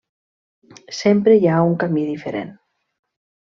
Sempre hi ha un camí diferent.